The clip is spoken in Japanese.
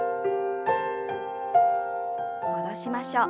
戻しましょう。